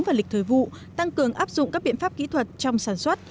và lịch thời vụ tăng cường áp dụng các biện pháp kỹ thuật trong sản xuất